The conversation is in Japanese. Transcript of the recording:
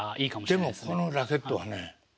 でもこのラケットはね